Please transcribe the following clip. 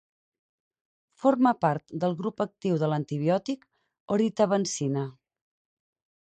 Forma part del grup actiu de l'antibiòtic oritavancina.